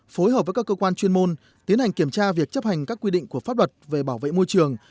phối hợp với các cơ quan chuyên môn tiến hành kiểm tra việc chấp hành các quy định của pháp luật về bảo vệ môi trường